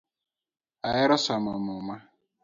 Ahero somo muma